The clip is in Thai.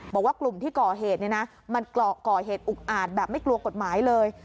บอกว่ากลุ่มที่ก่อเหตุเนี่ยนะมันก่อเหตุอุกอาจแบบไม่กลัวกฎหมายเลย